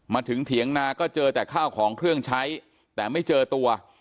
เถียงนาก็เจอแต่ข้าวของเครื่องใช้แต่ไม่เจอตัว